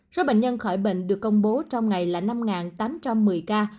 số bệnh nhân khỏi bệnh được công bố trong ngày là năm tám trăm một mươi ca